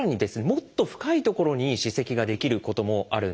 もっと深い所に歯石が出来ることもあるんです。